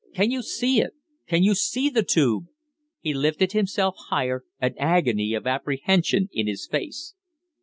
Can you see it? Can you see the tube?" He lifted himself higher, an agony of apprehension in his face.